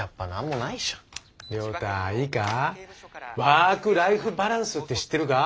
ワークライフバランスって知ってるか？